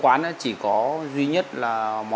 qua bàn tay khéo léo loáng một chốc